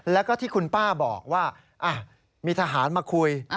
แล้วก็ที่คุณป้าบอกว่ามีทหารมาคุย